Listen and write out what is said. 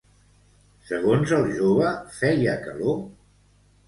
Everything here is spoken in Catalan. Segons el jove, feia calor?